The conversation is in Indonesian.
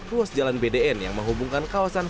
ruas jalan bdn yang menghubungkan kawasan